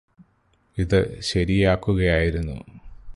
ഇത് ശരിയാക്കുകയായിരുന്നു